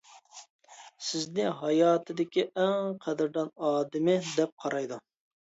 سىزنى ھاياتىدىكى ئەڭ قەدىردان ئادىمى دەپ قارايدۇ.